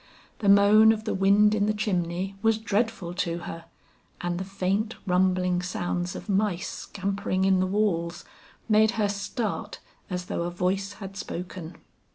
The moan of the wind in the chimney was dreadful to her, and the faint rumbling sounds of mice scampering in the walls, made her start as though a voice had spoken.